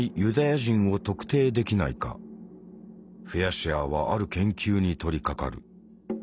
シュアーはある研究に取りかかる。